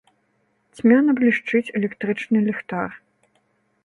Цьмяна блішчыць электрычны ліхтар.